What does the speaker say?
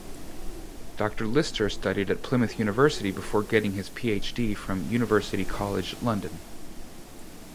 Doctor Lister studied at Plymouth University before getting his PhD from University College London.